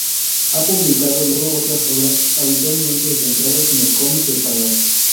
Ha publicado luego otras obras, habitualmente centradas en el cómic español.